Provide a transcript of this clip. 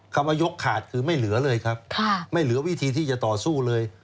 คำว่ายกขาดคือไม่เหลือเลยครับไม่เหลือวิธีที่จะต่อสู้เลย